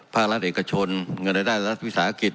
ภาครัฐเอกชนเงินรายได้รัฐวิสาหกิจ